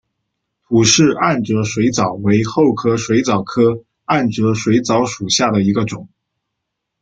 吐氏暗哲水蚤为厚壳水蚤科暗哲水蚤属下的一个种。